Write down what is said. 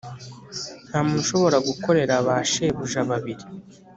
ntamuntu ushobora gukorera ba shebuja babiri